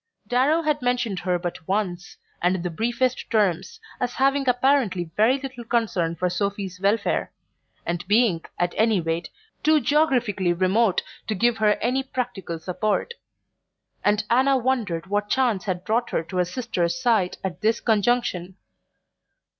Darrow had mentioned her but once, and in the briefest terms, as having apparently very little concern for Sophy's welfare, and being, at any rate, too geographically remote to give her any practical support; and Anna wondered what chance had brought her to her sister's side at this conjunction.